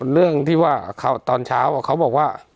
เรื่องที่ว่าตอนเช้าเขาบอกว่า